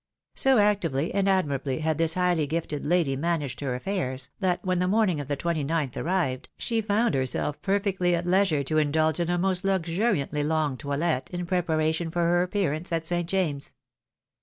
So actively and admirably had this highly gifted lady ma naged hiir affairs, that when the morning of the 29th arrived, she found herself perfectly at leisure to indulge in a most luxuri antly long toilet in preparation for her appearance at St. James's.